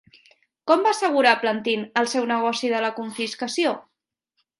Com va assegurar Plantin el seu negoci de la confiscació?